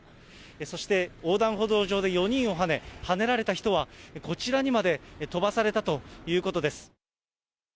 そして横断歩道上で４人をはね、はねられた人はこちらにまで飛ばされたということです。